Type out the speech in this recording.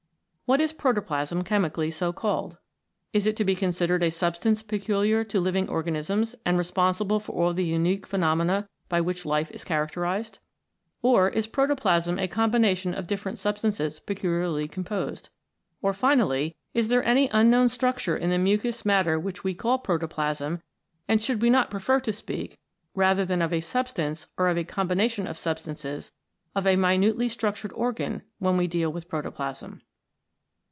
What is protoplasm chemically so called ? Is it to be considered as a substance peculiar to living organisms and responsible for all the unique phenomena by which life is characterised ? Or is protoplasm a combination of different substances peculiarly composed ? Or, finally, is there any unknown structure in the mucous matter which we call protoplasm, and should we not pre fer to speak, rather than of a substance or of a combination of substances, of a minutely structured organ when we deal with protoplasm